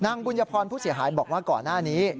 บุญพรผู้เสียหายบอกว่าก่อนหน้านี้